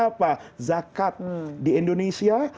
apa zakat di indonesia